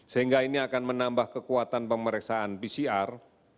sehingga ini akan menambah kekuatan pemeriksaan pcr